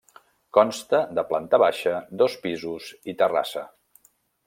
Consta de planta baixa, dos pisos i terrassa.